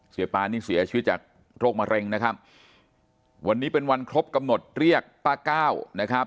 ปานี่เสียชีวิตจากโรคมะเร็งนะครับวันนี้เป็นวันครบกำหนดเรียกป้าก้าวนะครับ